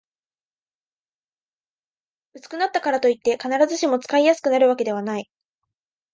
薄くなったからといって、必ずしも使いやすくなるわけではない